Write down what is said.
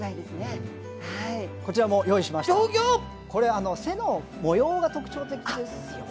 これ背の模様が特徴的ですよね。